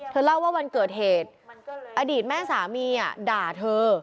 เล่าว่าวันเกิดเหตุอดีตแม่สามีด่าเธอ